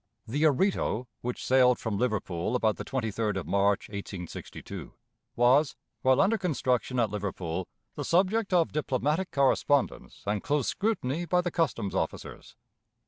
The Oreto, which sailed from Liverpool about the 23d of March, 1862, was, while under construction at Liverpool, the subject of diplomatic correspondence and close scrutiny by the customs officers.